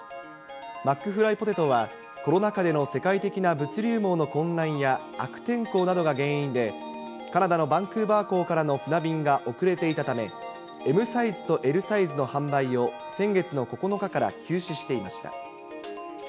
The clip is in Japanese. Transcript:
マックフライポテトは、コロナ禍での世界的な物流網の混乱や悪天候などが原因で、カナダのバンクーバー港からの船便が遅れていたため、ＭサイズとＬサイズの販売を、先月の９日から休止していました。